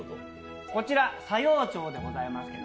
こちら佐用町でございます。